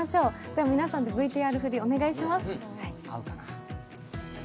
では皆さんでＶＴＲ振りをお願いします。